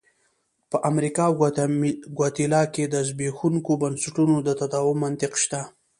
په امریکا او ګواتیلا کې د زبېښونکو بنسټونو د تداوم منطق شته.